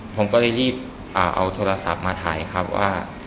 ผมก็เลยรีบเอาโทรศัพท์มาถ่ายครับว่า